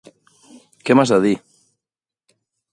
Què m'has de dir!